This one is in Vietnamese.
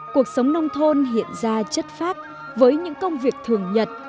cuộc sống nông thôn hiện ra chất phát với những công việc thường nhật